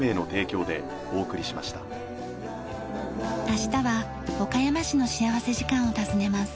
明日は岡山市の幸福時間を訪ねます。